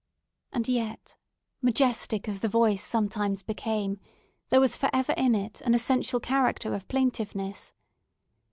And yet, majestic as the voice sometimes became, there was for ever in it an essential character of plaintiveness.